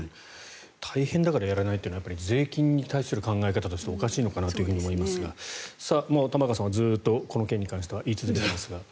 大変だからやらないというのは税金に対する考え方としておかしいのかなと思いますが玉川さんはずっとこの件に関しては言い続けていますが。